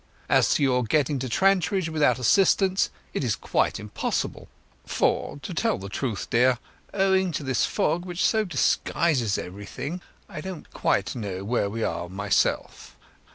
As to your getting to Trantridge without assistance, it is quite impossible; for, to tell the truth, dear, owing to this fog, which so disguises everything, I don't quite know where we are myself.